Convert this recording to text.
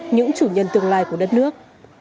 những chủ nhân tương lai của đất nước